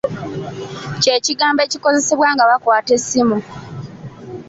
Kye kigambo ekikozesebwa nga bakwata essimu.